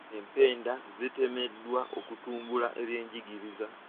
Empenda zitemebwa okutumbula ebyenjigiriza.